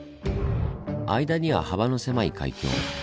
間には幅の狭い海峡。